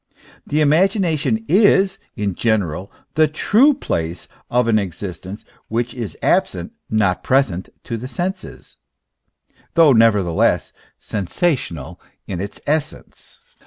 The imagination is, in general, the true place of an existence which is absent, not present to the senses, though nevertheless sensational in its essence.